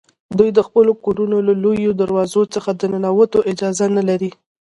دوی د خپلو کورونو له لویو دروازو څخه د ننوتو اجازه نه لري.